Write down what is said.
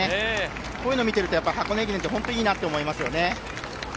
こういうのを見ていると箱根駅伝って本当にいいなと思いますね。